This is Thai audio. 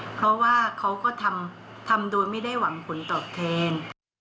เพราะว่าเขาก็ทำโดยไม่ได้หวังผลตอบแทน